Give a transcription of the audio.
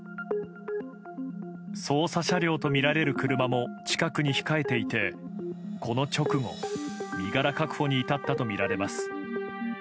捜査車両とみられる車も近くに控えていてこの直後、身柄確保に至ったといいます。